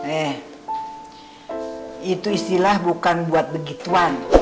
eh itu istilah bukan buat begituan